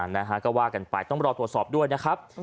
นะฮะก็ว่ากันไปต้องรอตรวจสอบด้วยนะครับ